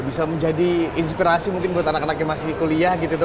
bisa menjadi inspirasi mungkin buat anak anak yang masih kuliah gitu